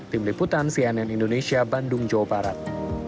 tim liputan cnn indonesia bandung jawa barat